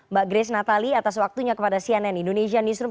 mbak grace natali atas waktunya kepada cnn indonesia newsroom